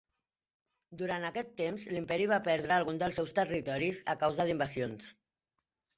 Durant aquest temps, l'imperi va perdre alguns dels seus territoris a causa d'invasions.